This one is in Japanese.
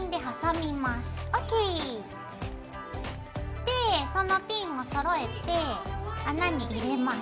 でそのピンをそろえて穴に入れます。